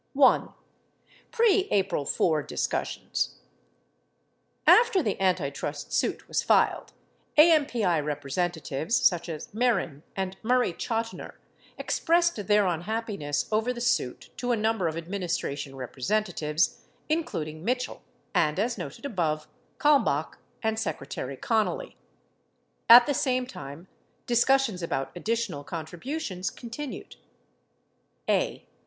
PRE APRIL 4 DISCUSSIONS After the antitrust suit was filed, AMPI representatives, such as Mehren and Murray Chotiner, expressed their unhappiness over the suit to a number of administration representatives, including Mitchell and, as noted above, Kalmbach and Secretary Connally. At the same time discussions about additional contributions continued. a.